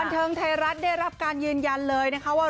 เทิงไทยรัฐได้รับการยืนยันเลยนะคะว่า